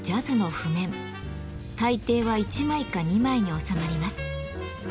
大抵は１枚か２枚に収まります。